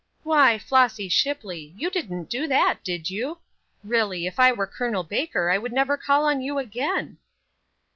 "Why, Flossy Shipley! you didn't do that, did you? Really, if I were Col. Baker I would never call on you again."